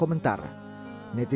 ketika dikirim ada beberapa komentar